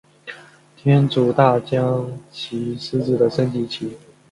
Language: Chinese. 天竺大将棋狮子的升级棋。